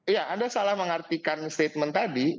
iya anda salah mengartikan statement tadi